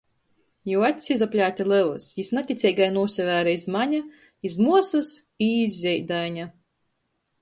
Juo acs izaplēte lelys, jis naticeigai nūsavēre iz mane, iz muosys i iz zeidaiņa.